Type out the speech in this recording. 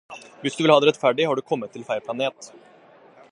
Hvis du vil ha det rettferdig, har du kommet til feil planet